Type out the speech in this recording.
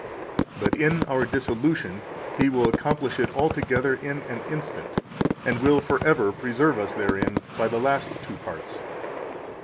But in our dissolution He will accomplish it altogether in an instant, and will forever preserve us therein by the last two parts.